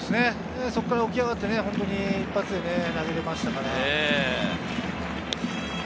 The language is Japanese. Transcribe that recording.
そこから起き上がって一発で投げれましたからね。